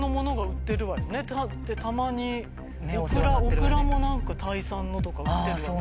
たまにオクラも何かタイ産のとか売ってるわね。